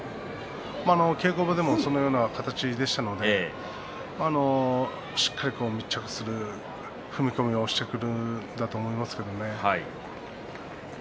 稽古場でもそのような形でしたのでしっかりと密着する踏み込みをしてくるんだと思いますよね。